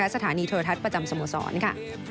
และสถานีเทอร์ทัศน์ประจำสมสรรค์